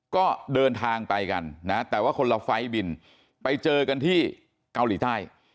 ก็เดินทางไปกันนะแต่ว่าคนละไฟล์บินไปเจอกันที่เกาหลีใต้